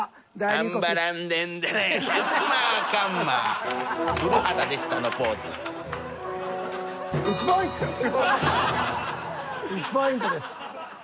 １ポイントです。